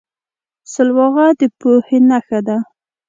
خاموشي، د پوهې نښه ده.